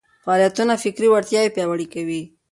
فعالیتونه فکري وړتیا پياوړې کوي.